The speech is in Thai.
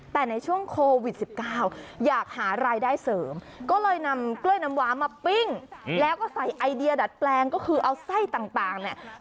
แต่ในช่วงโควิด๑๙อยากหารายได้เสริมก็เลยนำกล้วยน้ำว้ามาปิ้งแล้วก็ใส่ไอเดียดัดแปลงก็คือเอาไส้ต่างเนี่ย